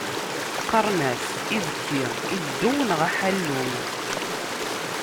Qqaren-as ibki, iddew neɣ aḥallum.